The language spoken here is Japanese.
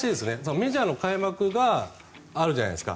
メジャーの開幕があるじゃないですか。